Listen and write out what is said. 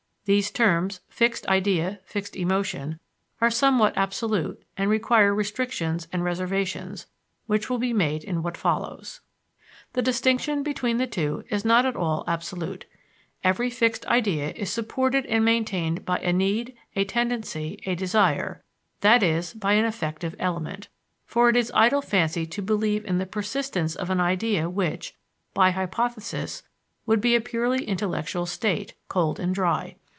These terms fixed idea, fixed emotion are somewhat absolute and require restrictions and reservations, which will be made in what follows. The distinction between the two is not at all absolute. Every fixed idea is supported and maintained by a need, a tendency, a desire; i.e., by an affective element. For it is idle fancy to believe in the persistence of an idea which, by hypothesis, would be a purely intellectual state, cold and dry.